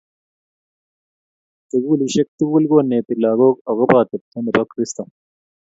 Sukulisiek tugulkoneti lakok akobo atepto nebo Kristo